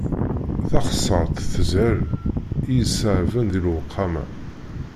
Taxessaṛt teshel, i yeṣṣeɛben d lewqama.